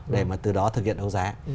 để mà từ đó thực hiện đấu giá